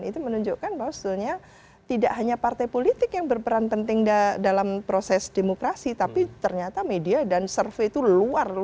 itu menunjukkan bahwa sebetulnya tidak hanya partai politik yang berperan penting dalam proses demokrasi tapi ternyata media dan survei itu luar biasa